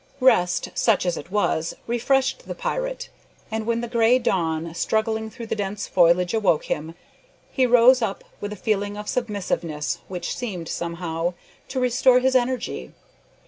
Rest, such as it was, refreshed the pirate, and when the grey dawn, struggling through the dense foliage, awoke him, he rose up with a feeling of submissiveness which seemed, somehow, to restore his energy.